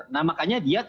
nah makanya dia